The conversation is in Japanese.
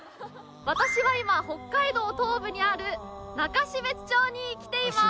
私は今北海道東部にある中標津町に来ています。